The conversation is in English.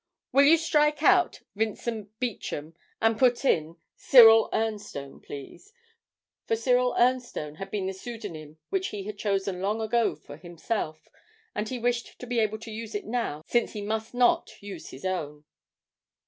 'Will you strike out "Vincent Beauchamp," and put in "Cyril Ernstone," please?' For 'Cyril Ernstone' had been the pseudonym which he had chosen long ago for himself, and he wished to be able to use it now, since he must not use his own.